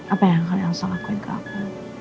apa yang kalian saya lakukan ke aku